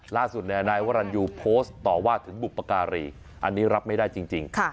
ล่าสุดนายวรรณยูโพสต์ต่อว่าถึงบุปการีอันนี้รับไม่ได้จริง